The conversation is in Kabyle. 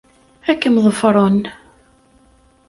Ad kem-ḍefren.